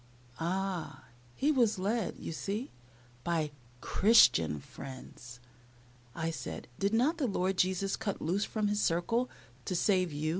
Ah! he was led, you see, by "Christian friends." I said, "Did not the Lord Jesus cut loose from His circle to save you?